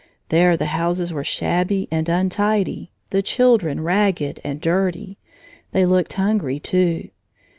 There the houses were shabby and untidy, the children ragged and dirty. They looked hungry, too.